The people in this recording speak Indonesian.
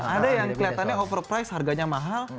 ada yang kelihatannya over price harganya mahal